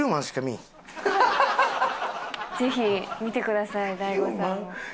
ぜひ見てください大悟さんも。